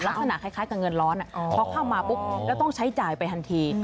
ลักษณะคล้ายกับเงินร้อนพอเข้ามาปุ๊บแล้วต้องใช้จ่ายไปทันที